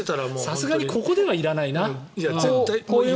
さすがにここでいらないな。